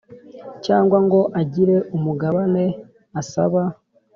cyangwa ngo agire umugabane asaba